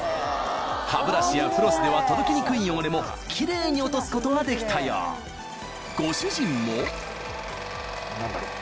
歯ブラシやフロスでは届きにくい汚れもキレイに落とすことができたようご主人も何だろう？